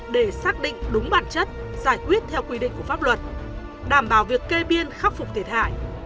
để xác định đúng bản chất giải quyết theo quy định của pháp luật đảm bảo việc kê biên khắc phục thiệt hại